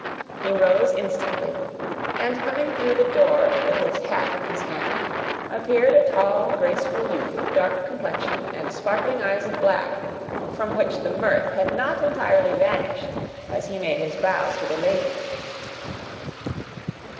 He rose instantly, and coming through the door, with his hat in his hand, appeared a tall, graceful youth, of dark complexion, and sparkling eyes of black, from which the mirth had not entirely vanished, as he made his bow to the ladies.